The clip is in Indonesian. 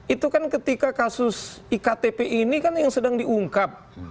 itu kan ketika kasus iktp ini kan yang sedang diungkap